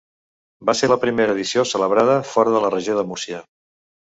Va ser la primera edició celebrada fora de la Regió de Múrcia.